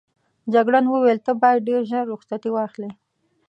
جګړن وویل ته باید ډېر ژر رخصتي واخلې.